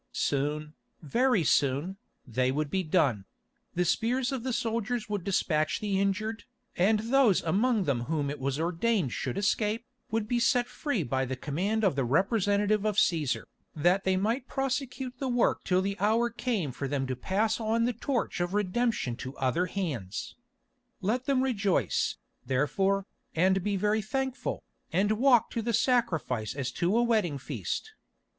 Soon, very soon, they would be done; the spears of the soldiers would despatch the injured, and those among them whom it was ordained should escape, would be set free by the command of the representative of Cæsar, that they might prosecute the work till the hour came for them to pass on the torch of redemption to other hands. Let them rejoice, therefore, and be very thankful, and walk to the sacrifice as to a wedding feast.